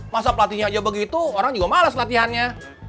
masa pelatihnya aja begitu orang juga males latihannya